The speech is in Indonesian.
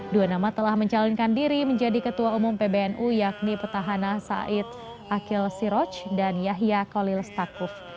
dua nama telah mencalonkan diri menjadi ketua umum pbnu yakni petahana said akil siroj dan yahya kolil stakuf